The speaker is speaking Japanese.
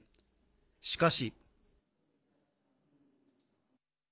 しかし。